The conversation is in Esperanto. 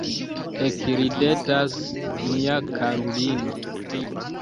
Ekridetas mia karulino.